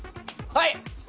はい。